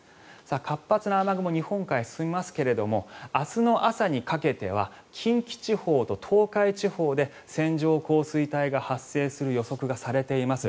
活発な雨雲日本海を進みますが明日の朝にかけては近畿地方と東海地方で線状降水帯が発生する予測がされています。